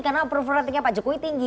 karena approval ratingnya pak jokowi tinggi